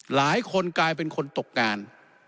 หลายคนกลายเป็นคนตกงาน